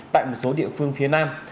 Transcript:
tại một số địa phương phía nam